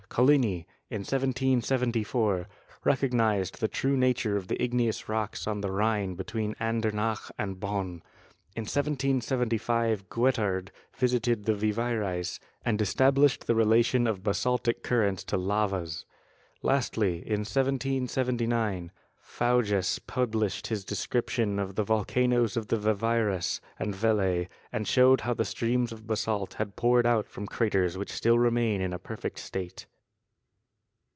Collini, in 1774, recognised the true nature of the igneous rocks on the Rhine between Ander nach and Bonn. In 1775 Guettard visited the Vivarais and established the relation of basaltic currents to lavas. Lastly, in 1779, Faujas published his description of the volcanoes of the Vivarais and Velay and showed how the streams of basalt had poured out from craters which still remain in a perfect state.